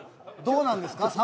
どうなんですか？